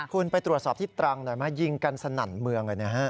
คุณไปตรวจสอบที่ตรังหน่อยไหมยิงกันสนั่นเมืองเลยนะฮะ